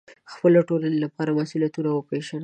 د خپلې ټولنې لپاره مسوولیتونه وپېژنئ.